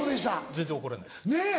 全然怒れないです。ねぇ！